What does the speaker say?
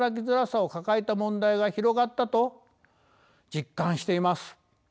づらさを抱えた問題が広がったと実感しています。